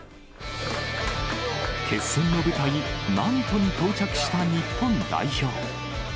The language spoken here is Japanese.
決戦の舞台、ナントに到着した日本代表。